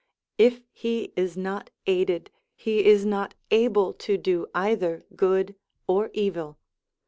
If he is not aided, he is not able to do either good or evil.